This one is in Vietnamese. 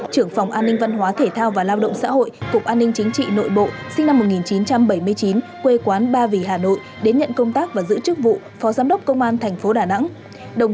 trưởng phòng an ninh văn hóa thể thao và lao động xã hội cục an ninh chính trị nội bộ sinh năm một nghìn chín trăm bảy mươi chín quê quán ba vì hà nội đến nhận công tác và giữ chức vụ phó giám đốc công an tp đà nẵng